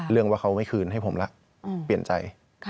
เรื่องว่าเขาไม่คืนให้ผมละเปลี่ยนใจ